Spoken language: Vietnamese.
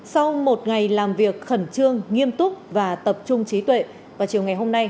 sau một ngày làm việc khẩn trương nghiêm túc và tập trung trí tuệ vào chiều ngày hôm nay